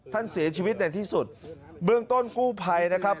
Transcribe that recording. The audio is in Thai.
ท่านเสียชีวิตในที่สุดเบื้องต้นกู้ภัยนะครับ